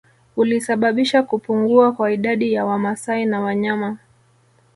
Ulisababisha kupungua kwa idadi ya Wamasai na wanyama